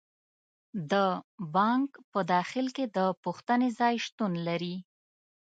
د بانک په داخل کې د پوښتنې ځای شتون لري.